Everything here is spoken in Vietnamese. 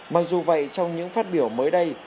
mặc dù vậy trong những phát biểu mới đây